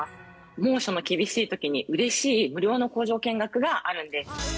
猛暑の厳しいときにうれしい無料の工場見学があるんです。